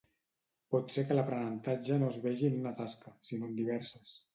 Pot ser que l'aprenentatge no es vegi en una tasca, sinó en diverses.